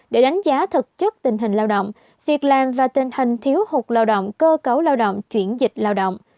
để đánh giá thực chất tình hình lao động việc làm và tình hình thiếu hụt lao động cơ cấu lao động chuyển dịch lao động